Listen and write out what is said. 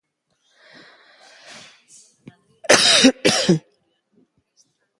Eraikuntzako langileak zirelarik elkar ezagutu zuten taldekideek.